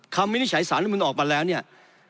วินิจฉัยสารรัฐมนุนออกมาแล้วเนี่ย